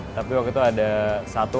tapi waktu itu ada satu